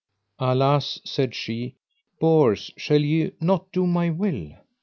Alas, said she, Bors, shall ye not do my will?